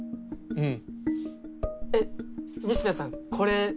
うん。